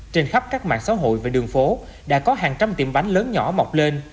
trên khắp các mạng xã hội và đường phố đã có hàng trăm tiệm bánh lớn nhỏ mọc lên